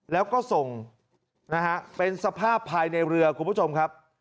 แล้วก็ส่งนะฮะเป็นสภาพภายในเรือคุณผู้ชมครับ